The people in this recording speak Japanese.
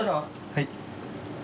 はい。